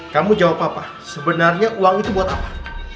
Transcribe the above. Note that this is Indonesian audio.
kamu jawab apa apa sebenarnya uang itu buat apa